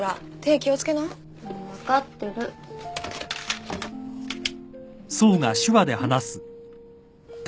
分かってるって！